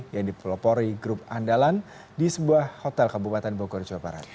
yang dipelopori grup andalan di sebuah hotel kabupaten bogor jawa barat